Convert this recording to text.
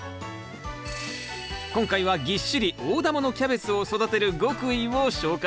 今回はぎっしり大玉のキャベツを育てる極意を紹介します。